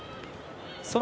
その